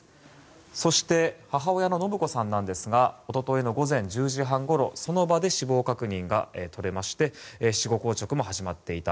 そして母親の延子さんは一昨日の午前１０時半ごろその場で死亡確認が取れまして死後硬直も始まっていた。